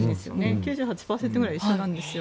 ９８％ぐらい一緒なんですよ。